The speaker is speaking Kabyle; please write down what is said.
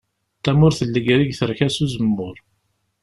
Tamurt n Legrig terka s uzemmur.